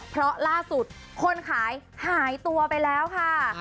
เพราะล่าสุดคนขายหายตัวไปแล้วค่ะ